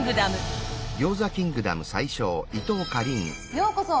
ようこそ！